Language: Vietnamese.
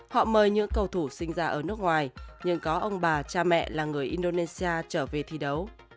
họ mời những cầu thủ sinh ra ở nước ngoài nhưng có ông bà cha mẹ là người indonesia trở về thi đấu